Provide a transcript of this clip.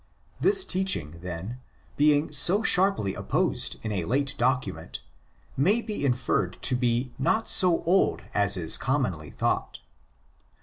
This teaching, then, being so sharply opposed in a late document, may be inferred to be not so old as is com monly thought.